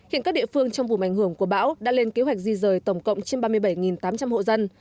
hiện các địa phương trong vùng ảnh hưởng của bão đã lên kế hoạch di rời tổng cộng trên ba mươi bảy tám trăm linh hộ dân